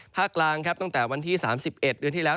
กลางครับตั้งแต่วันที่๓๑เดือนที่แล้ว